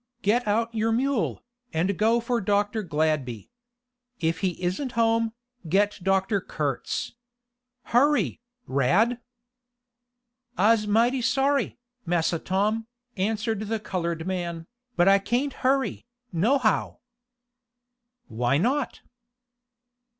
"Get out your mule, and go for Dr. Gladby. If he isn't home, get Dr. Kurtz. Hurry, Rad!" "I's mighty sorry, Massa Tom," answered the colored man, "but I cain't hurry, nohow." "Why not?"